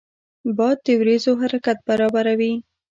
باد د وریځو حرکت برابروي